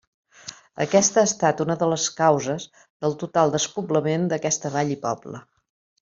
Aquesta ha estat una de les causes del total despoblament d'aquesta vall i poble.